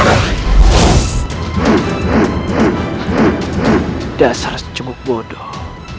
sudah salah sejauh bodoh